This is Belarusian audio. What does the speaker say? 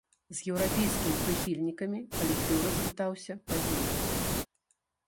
З еўрапейскімі прыхільнікамі калектыў развітаўся пазней.